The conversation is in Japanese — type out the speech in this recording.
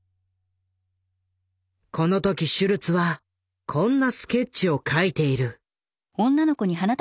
この時シュルツはこんなスケッチを描いている。